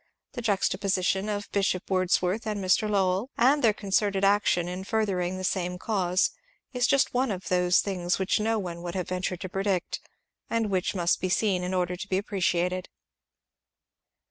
The juxtaposition of Bishop Words worth and Mr. Lowell, and their concerted action in further ing the same cause, is just one of those things which no one would have ventured to predict, and which must be seen in order to be appreciated.